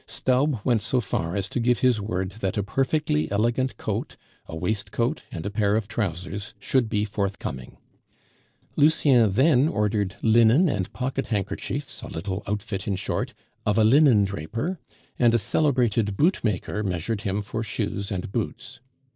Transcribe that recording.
Staub went so far as to give his word that a perfectly elegant coat, a waistcoat, and a pair of trousers should be forthcoming. Lucien then ordered linen and pocket handkerchiefs, a little outfit, in short, of a linen draper, and a celebrated bootmaker measured him for shoes and boots.